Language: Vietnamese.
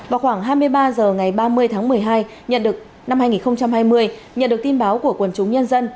vào khoảng hai mươi ba h ngày ba mươi tháng một mươi hai nhận được năm hai nghìn hai mươi nhận được tin báo của quần chúng nhân dân